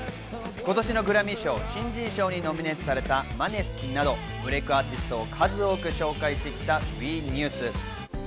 今年のグラミー賞新人賞にノミネートされたマネスキンなど、ブレイクアーティストを数多く紹介してきたＷＥニュース。